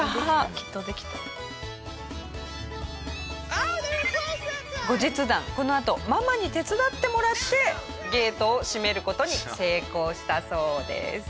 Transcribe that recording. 残念ながら後日談このあとママに手伝ってもらってゲートを閉める事に成功したそうです。